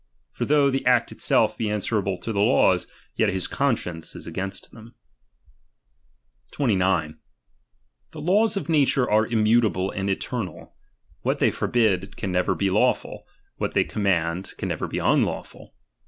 For though the act itself be answerable to the laws, yet his conscience is against them. Thninws 29. T/ie laws of nature are immutable and ^r^"imm" able ctemal i what they forbid, can never be lawful ; andetenmi y^ jjat they commaud, can never be unlawful.